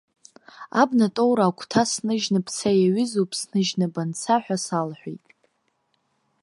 Абнатоура агәҭа сныжьны бца иаҩызоуп сныжьны банца ҳәа салҳәеит.